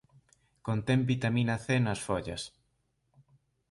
Contén Vitamina C nas follas.